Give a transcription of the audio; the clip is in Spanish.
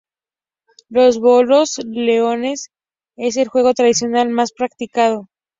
Los bolos leoneses es el juego tradicional más practicado.